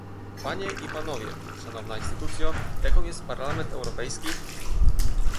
Panie i Panowie, Szanowna Instytucjo, jaką jest Parlament Europejski